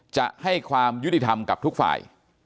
จะให้ความยุติธรรมกับทุกฝ่าย